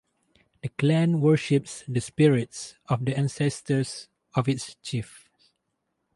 The clan worships the spirits of the ancestors of its chiefs.